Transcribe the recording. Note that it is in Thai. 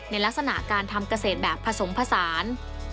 ในลักษณะการทำเกษตรแบบผสมผสาน